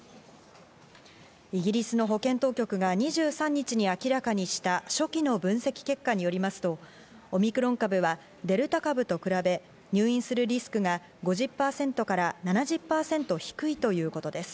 イギリスの保健当局が２３日に明らかにした初期の分析結果によりますと、オミクロン株はデルタ株と比べ、入院するリスクが５０％から７０％低いということです。